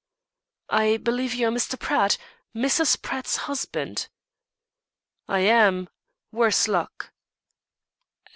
"I believe you are Mr. Pratt Mrs. Pratt's husband." "I am worse luck."